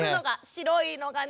白いのがね